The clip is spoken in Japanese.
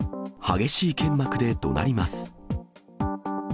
激しい剣幕でどなります。